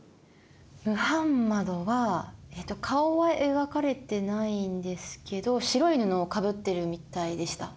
ムハンマドは顔は描かれてないんですけど白い布をかぶってるみたいでした。